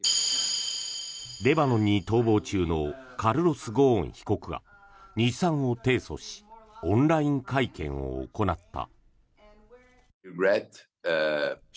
レバノンに逃亡中のカルロス・ゴーン被告が日産を提訴しオンライン会見を行った。